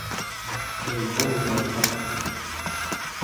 gwall domm eo ar c'hafe.